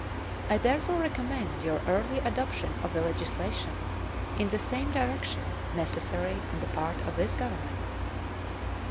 I therefore recommend your early adoption of the legislation in the same direction necessary on the part of this Government.